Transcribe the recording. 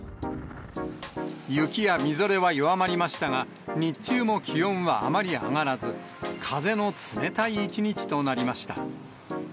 雪やみぞれは弱まりましたが、日中も気温はあまり上がらず、風の冷たい一日となりました。